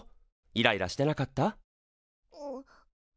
イライラしてなかった？